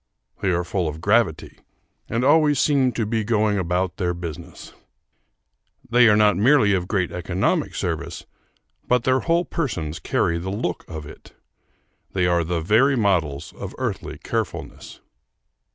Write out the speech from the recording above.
They are full of gravity, and always seem to be going about their business. They are not merely of great economic service, but their whole persons carry the look of it. They are the very models of earthly carefulness.